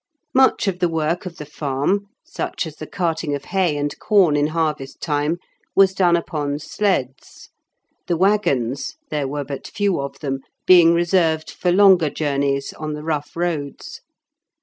Much of the work of the farm, such as the carting of hay and corn in harvest time, was done upon sleds; the waggons (there were but few of them) being reserved for longer journeys on the rough roads.